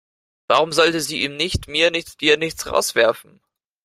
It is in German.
Warum sollte sie ihn nicht mir nichts, dir nichts rauswerfen?